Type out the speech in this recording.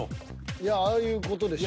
いやああいう事でしょう。